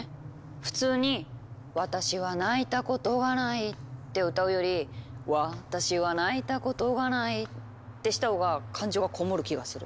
普通に「私は泣いたことがない」って歌うより「私は泣いたことがない」ってしたほうが感情がこもる気がする。